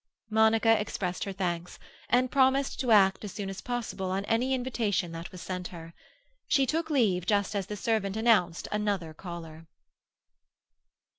Monica expressed her thanks, and promised to act as soon as possible on any invitation that was sent her. She took leave just as the servant announced another caller.